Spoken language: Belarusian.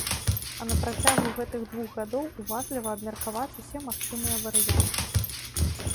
А на працягу гэтых двух гадоў уважліва абмеркаваць усе магчымыя варыянты.